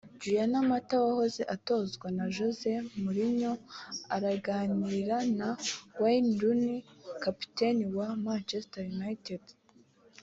Juan Mata wahoze atozwa na Jose Mourinho araganira na Wayne Rooney kapiteni wa Manchetser United